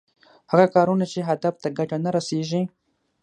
هغه کارونه چې هدف ته ګټه نه رسېږي.